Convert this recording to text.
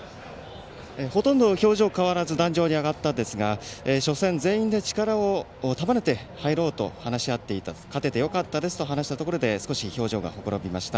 ほとんど表情変えず壇上に上がって初戦全員で力を束ねて話し合っていて勝ててよかったですと話したところで、少し表情がほころびました。